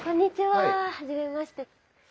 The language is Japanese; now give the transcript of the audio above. はじめまして。